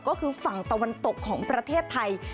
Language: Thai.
ก็คือฝั่งตะวันตกของประเทศไทย